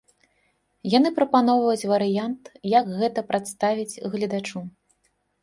Яны прапаноўваюць варыянт, як гэта прадставіць гледачу.